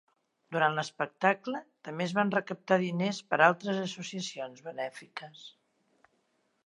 Durant l'espectacle també es van recaptar diners per a altres associacions benèfiques.